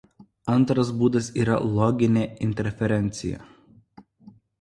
Antras būdas yra loginė interferencija.